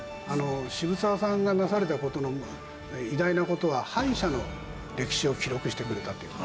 渋沢さんがなされた事の偉大な事は敗者の歴史を記録してくれたっていう事。